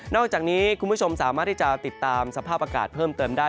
อกจากนี้คุณผู้ชมสามารถที่จะติดตามสภาพอากาศเพิ่มเติมได้